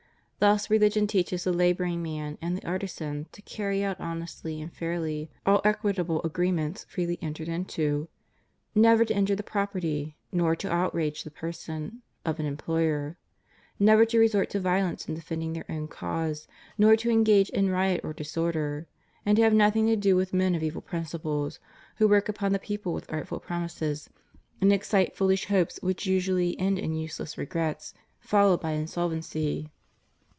Thus Religion teaches the laboring man and the artisan to carry out honestly and fairly all equitable agreements freely entered into; never to injure the property, nor to outrage the person, of an employer; never to resort to violence in defending their own cause, nor to engage in riot or disorder; and to have nothing to do with men of evil principles, who work upon the people with artful promises, and excite foolish hopes which usually end in useless regrets, followed by insolvency.